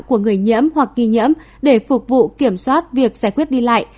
của người nhiễm hoặc kỳ nhiễm để phục vụ kiểm soát việc giải quyết đi lại